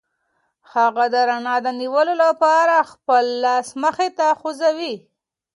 هغه د رڼا د نیولو لپاره خپل لاس مخې ته غځوي.